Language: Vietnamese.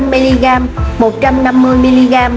một trăm năm mươi mg hoặc hai trăm năm mươi mg